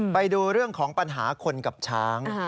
ไปดูเรื่องของปัญหาคนกับช้าง